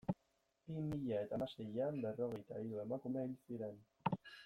Bi mila eta hamaseian berrogeita hiru emakume hil ziren.